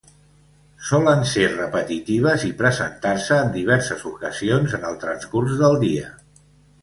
Solen ser repetitives i presentar-se en diverses ocasions en el transcurs del dia.